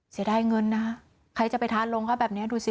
จะได้เงินนะใครจะไปทานลงเขาแบบเนี้ยดูสิ